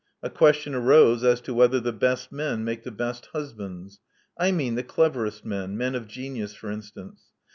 A question arose as to whether the best men make the best husbands. I mean the cleverest men — men of genius, for instance.